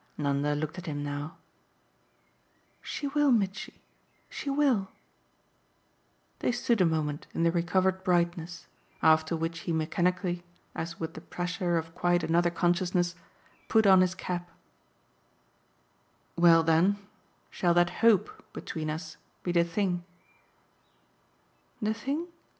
Nanda looked at him now. "She will, Mitchy she WILL!" They stood a moment in the recovered brightness; after which he mechanically as with the pressure of quite another consciousness put on his cap. "Well then, shall that hope between us be the thing